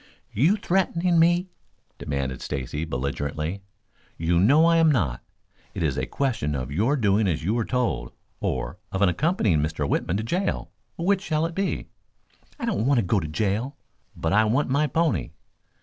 "You threatening me?" demanded Stacy belligerently. "You know I am not. It is a question of your doing as you are told, or of accompanying Mr. Whitman to jail. Which shall it be?" "I don't want to go to jail, but I want my pony."